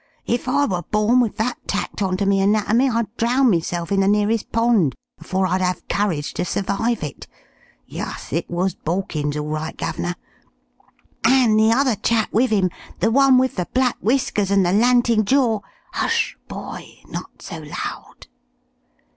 If I were born wiv that tacked on to me anatomy, I'd drown meself in the nearest pond afore I'd 'ave courage to survive it.... Yus, it was Borkins all right, Guv'nor, and the other chap wiv him, the one wiv the black whiskers and the lanting jor " "Hush, boy! Not so loud!"